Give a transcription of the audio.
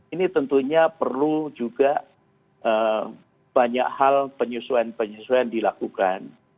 ini tentunya perlu juga banyak hal penyesuaian penyesuaian dilakukan